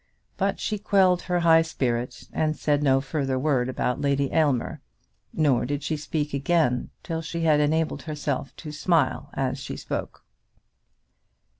But she quelled her high spirit, and said no further word about Lady Aylmer. Nor did she speak again till she had enabled herself to smile as she spoke.